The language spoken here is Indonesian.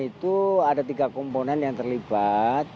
itu ada tiga komponen yang terlibat